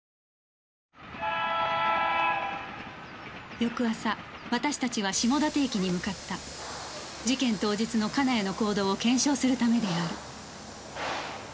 翌朝私たちは下館駅に向かった事件当日の金谷の行動を検証するためである